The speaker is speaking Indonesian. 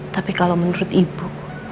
tapi kalau menurut ibu